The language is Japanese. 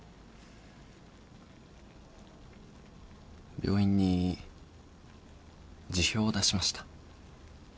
病院に辞表を出しました。